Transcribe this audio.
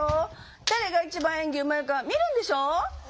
誰が一番演技うまいか見るんでしょ！